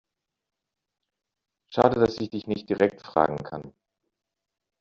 Schade, dass ich dich nicht direkt fragen kann.